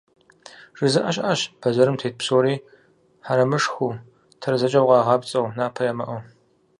ЖызыӀэ щыӀэщ бэзэрым тет псори хьэрэмышхыу, тэрэзэкӀэ укъагъапцӀэу, напэ ямыӀэу.